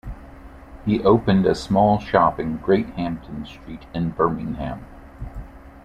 He opened a small shop in Great Hampton street in Birmingham.